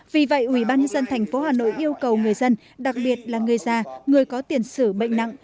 vì vậy ủy ban dân thành phố hà nội yêu cầu người dân đặc biệt là người già người có tiền sử bệnh nặng